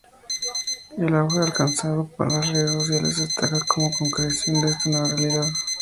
El auge alcanzado por las redes sociales destaca como concreción de esta nueva realidad.